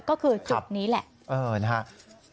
ก็คือจุดนี้แหละนะครับ